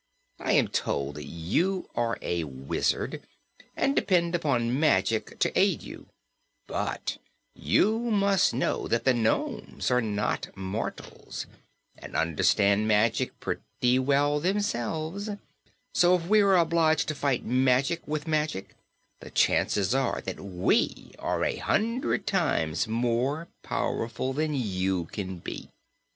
I am told that you are a wizard, and depend upon magic to aid you; but you must know that the nomes are not mortals, and understand magic pretty well themselves, so if we are obliged to fight magic with magic the chances are that we are a hundred times more powerful than you can be.